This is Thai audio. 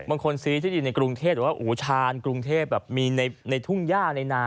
บางคนซื้อที่ดินในกรุงเทพหรือว่าชาญกรุงเทพแบบมีในทุ่งย่าในนา